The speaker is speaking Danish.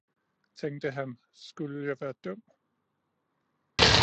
tænkte han, skulle jeg være dum!